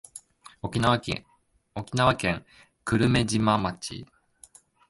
沖縄県久米島町